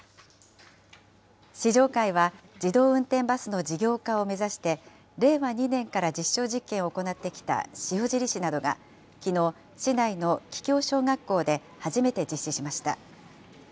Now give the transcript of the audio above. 試乗会は、自動運転バスの事業化を目指して、令和２年から実証実験を行ってきた塩尻市などがきのう、市内の桔梗小学校で初めて実施しました。